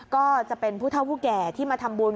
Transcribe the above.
ก็จะเป็นผู้เท่าผู้แก่ที่มาทำบุญ